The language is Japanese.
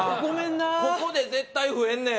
ここで絶対増えんねん。